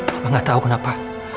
mama gak tau kenapa